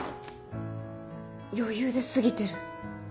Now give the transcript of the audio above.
余裕で過ぎてる。